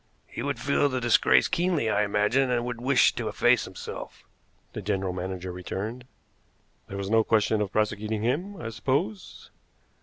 "He would feel the disgrace keenly, I imagine, and would wish to efface himself," the general manager returned. "There was no question of prosecuting him, I suppose?"